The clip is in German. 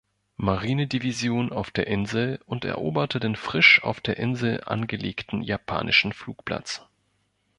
Marine-Division auf der Insel und eroberte den frisch auf der Insel angelegten japanischen Flugplatz.